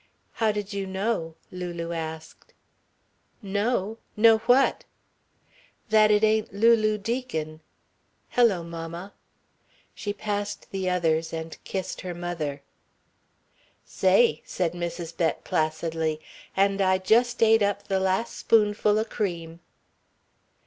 "How did you know?" Lulu asked. "Know! Know what?" "That it ain't Lulu Deacon. Hello, mamma." She passed the others, and kissed her mother. "Say," said Mrs. Bett placidly. "And I just ate up the last spoonful o' cream."